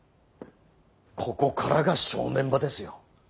ここからが正念場ですよ。